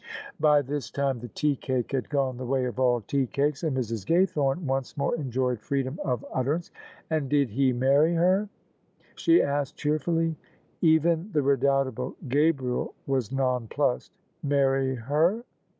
" By this time the teacake had gone the way of all tea cakes, and Mrs. Gaythome once more enjoyed freedom of utterance. " And did he marry her ?" she asked cheerfully. Even the redoubtable Gabriel was nonplussed. " Marry her